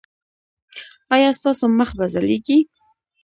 ایا ستاسو مخ به ځلیږي؟